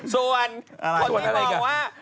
ส่วนคนที่มองว่า